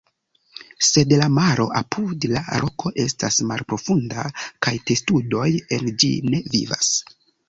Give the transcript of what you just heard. Sed la maro apud la roko estas malprofunda kaj testudoj en ĝi ne vivas.